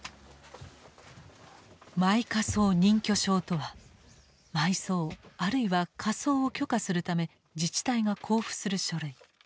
「埋火葬認許証」とは埋葬あるいは火葬を許可するため自治体が交付する書類。